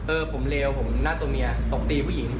เออผมเลวผมหน้าตัวเมียตบตีผู้หญิง